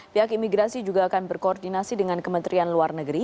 pihak imigrasi juga akan berkoordinasi dengan kementerian luar negeri